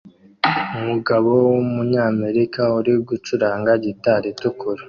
Umugabo wumunyamerika uri gucuranga gitari itukura